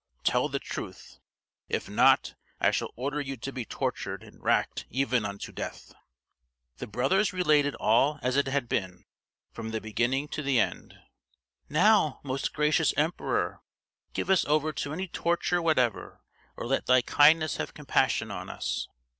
Tell the truth; if not I shall order you to be tortured and racked even unto death." The brothers related all as it had been, from the beginning to the end. "Now, most gracious emperor, give us over to any torture whatever, or let thy kindness have compassion on us!"